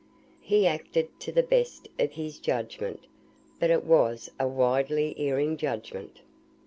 He acted to the best of his judgment, but it was a widely erring judgment.